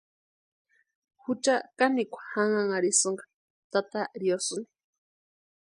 Jucha kanikwa janhanharhisïnka tata riosïni.